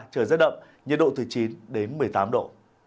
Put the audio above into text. trời rét đậm nhiệt độ từ chín đến một mươi tám độ